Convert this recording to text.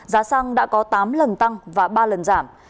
giá xăng đã có tám lần tăng và ba lần giảm